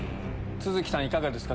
都筑さんいかがですか？